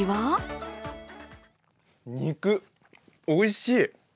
おいしい！